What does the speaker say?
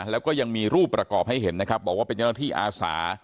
แล้วก็ยังมีรูปประกอบให้เห็นนะครับบอกว่าเป็นเจ้าหน้าที่อาสา